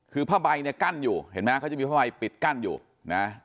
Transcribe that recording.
คือผ้าใบเนี่ยกั้นอยู่เห็นไหมเขาจะมีผ้าใบปิดกั้นอยู่นะ